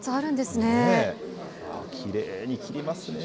きれいに切りますね。